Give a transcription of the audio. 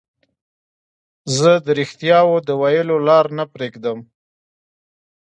زه د رښتیاوو د ویلو لار نه پريږدم.